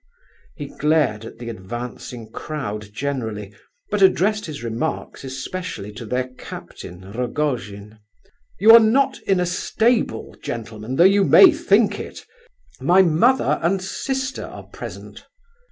He glared at the advancing crowd generally, but addressed his remarks especially to their captain, Rogojin. "You are not in a stable, gentlemen, though you may think it—my mother and sister are present."